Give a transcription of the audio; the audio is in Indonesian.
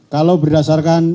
kalau berdasarkan data sementara